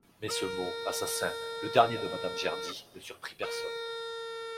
Mais ce mot «assassin», le dernier de Madame Gerdy, ne surprit personne.